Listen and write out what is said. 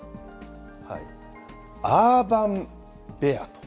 アーバンベアと。